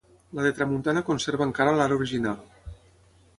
La de tramuntana conserva encara l'ara original.